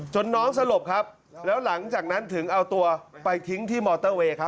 น้องสลบครับแล้วหลังจากนั้นถึงเอาตัวไปทิ้งที่มอเตอร์เวย์ครับ